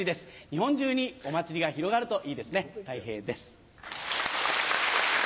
日本中にお祭りが広がるといいですねたい平です。